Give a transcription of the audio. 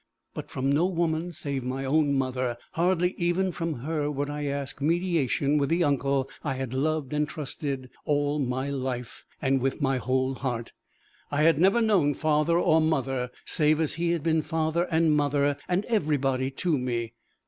But from no woman save my own mother, hardly even from her, would I ask mediation with the uncle I had loved and trusted all my life and with my whole heart. I had never known father or mother, save as he had been father and mother and everybody to me!